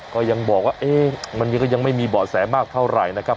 อ้อก็ยังบอกว่าเอ๊ะมันนี่ก็ยังไม่มีเบาะแสมากเท่าไรนะครับ